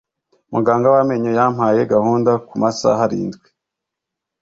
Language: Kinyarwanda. muganga w amenyo yampaye gahunda kumasaha arindwi